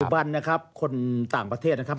บันนะครับคนต่างประเทศนะครับ